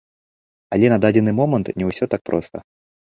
Але на дадзены момант не ўсё так проста.